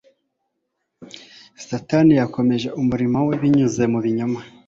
Satani yakomeje umurimo we binyuze mu binyoma;